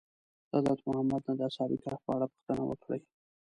د حضرت محمد نه د اصحاب کهف په اړه پوښتنه وکړئ.